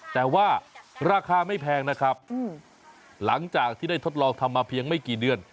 แต่ว่าราคาไม่แพงนะครับหลังจากที่ได้ทดลองทำมาเพียงไม่กี่เดือน